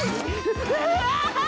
うわ！